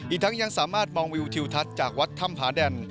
อีกทั้งยังสามารถมองวิวทิวทัศน์จากวัดถ้ำผาแดน